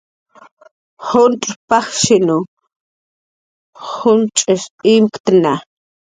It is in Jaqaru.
Juncx' pajshin junch'is imktna